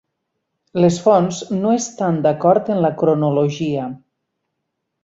Les fonts no estan d'acord en la cronologia.